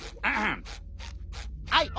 ああ。